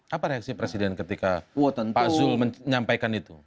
apa reaksi presiden ketika pak zul menyampaikan itu